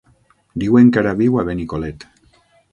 Diuen que ara viu a Benicolet.